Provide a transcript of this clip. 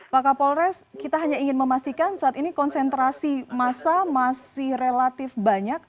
pak kapolres kita hanya ingin memastikan saat ini konsentrasi massa masih relatif banyak